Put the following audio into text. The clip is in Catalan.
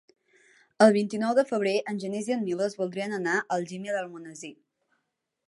El vint-i-nou de febrer en Genís i en Milos voldrien anar a Algímia d'Almonesir.